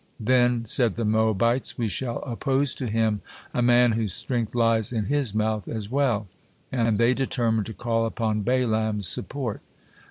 "Then," said the Moabites, "we shall oppose to him a man whose strength lies in his mouth as well," and the determined to call upon Balaam's support.